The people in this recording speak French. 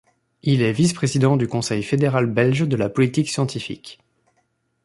Il est vice-président du Conseil Fédéral belge de la Politique scientifique.